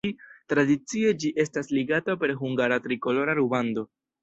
Tradicie ĝi estas ligata per hungara trikolora rubando.